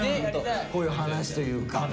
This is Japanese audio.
こういう話というか。